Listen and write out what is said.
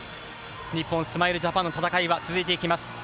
日本、スマイルジャパンの戦いは続いていきます。